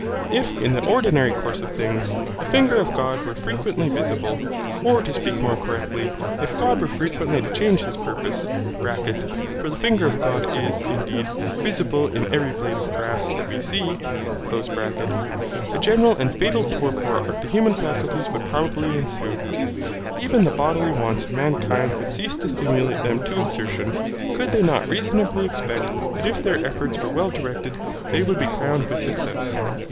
If in the ordinary course of things, the finger of God were frequently visible, or to speak more correctly, if God were frequently to change his purpose (for the finger of God is, indeed, visible in every blade of grass that we see), a general and fatal torpor of the human faculties would probably ensue; even the bodily wants of mankind would cease to stimulate them to exertion, could they not reasonably expect that if their efforts were well directed they would be crowned with success.